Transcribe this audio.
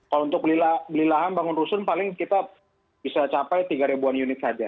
kalau untuk beli lahan bangun rusun paling kita bisa capai tiga ribuan unit saja